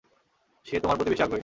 সে তোমার প্রতি বেশি আগ্রহী।